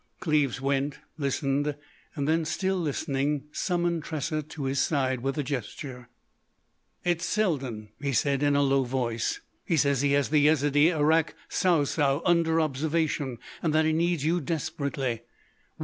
Cleves went; listened, then, still listening, summoned Tressa to his side with a gesture. "It's Selden," he said in a low voice. "He says he has the Yezidee Arrak Sou Sou under observation, and that he needs you desperately.